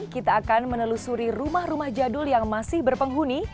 kita akan menelusuri rumah rumah jadul yang masih berpenghuni